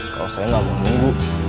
kalau saya nggak mau nunggu